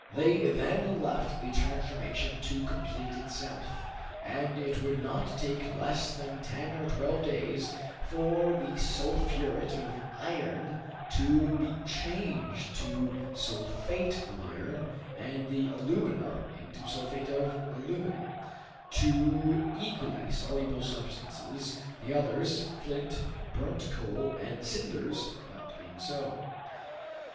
They then left the transformation to complete itself, and it would not take less than ten or twelve days for the sulphuret of iron to be changed to sulphate of iron and the alumina into sulphate of alumina, two equally soluble substances, the others, flint, burnt coal, and cinders, not being so.